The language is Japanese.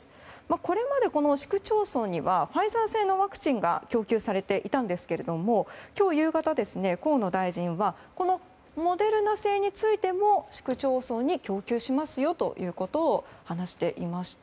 これまで市区町村にはファイザー製のワクチンが供給されていたんですけれども今日夕方河野大臣はモデルナ製についても市区町村に供給しますよと話していました。